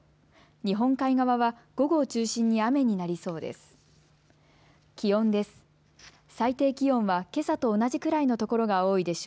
日本海側は午後を中心に雨になりそうです。